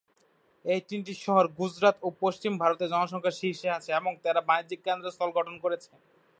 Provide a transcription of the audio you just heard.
এই তিনটি শহর গুজরাত ও পশ্চিম ভারতে জনসংখ্যায় শীর্ষে আছে এবং এরা বাণিজ্যিক কেন্দ্রস্থল গঠন করেছে।